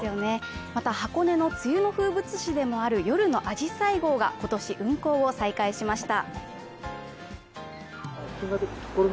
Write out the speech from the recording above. また箱根の梅雨の風物詩でもある夜のあじさい号が今年、運行を再開しました。